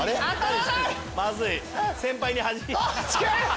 まずい！